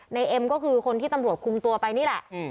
เอ็มก็คือคนที่ตำรวจคุมตัวไปนี่แหละ